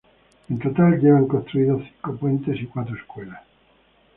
En total llevan construidos cinco puentes y cuatro escuelas.